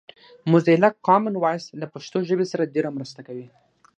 موزیلا کامن وایس له پښتو ژبې سره ډېره مرسته کوي